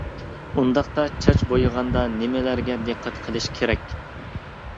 ئۇنداقتا چاچ بويىغاندا نېمىلەرگە دىققەت قىلىش كېرەك.